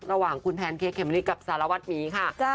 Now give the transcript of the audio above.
ระหว่างคุณแพนเคเกมริกกับสารวัสมีค่ะ